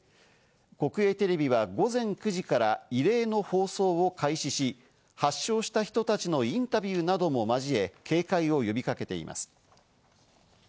国営テレビは午前９時から異例の放送を開始し、発症した人たちのインタビューなども交え警戒を呼びかけています。